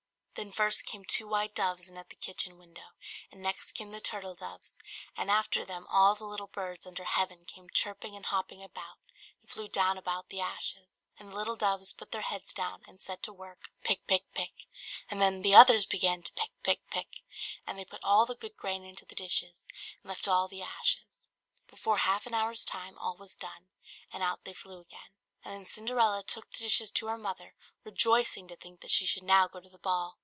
Then first came two white doves in at the kitchen window; and next came the turtle doves; and after them all the little birds under heaven came chirping and hopping about, and flew down about the ashes; and the little doves put their heads down and set to work, pick, pick, pick; and then the others began to pick, pick, pick; and they put all the good grain into the dishes, and left all the ashes, Before half an hour's time all was done, and out they flew again. And then Cinderella took the dishes to her mother, rejoicing to think that she should now go to the ball.